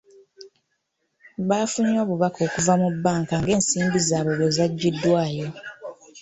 Baafunye obubaka okuva mu bbanka ng'ensimbi zaabwe bwe zaggyiddwayo